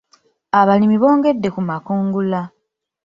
Abalimi bongedde ku makungula.